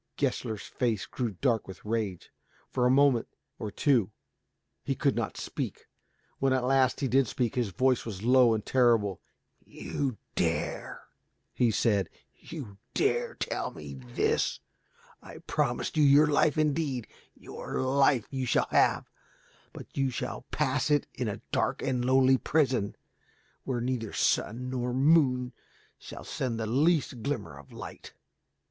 Gessler's face grew dark with rage. For a moment or two he could not speak. When at last he did speak, his voice was low and terrible, "You dare," he said, "you dare to tell me this! I promised you your life indeed. Your life you shall have, but you shall pass it in a dark and lonely prison, where neither sun nor moon shall send the least glimmer of light.